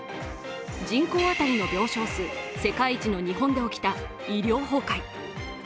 人口当たりの病床数世界一の日本で起きた医療崩壊。